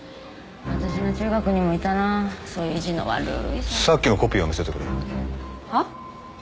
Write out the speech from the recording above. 私の中学にもいたなそういう意地の悪いさっきのコピーを見せてくれは？